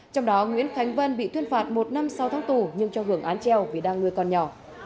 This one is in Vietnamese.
trong đó nguyễn khánh vân bị tuyên phạt một năm sau tháng tù nhưng cho hưởng án treo vì đang nuôi con nhỏ